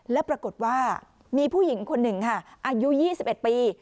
แล้วปรากฏว่ามีผู้หญิงคนหนึ่งค่ะอายุยี่สิบเอ็ดปี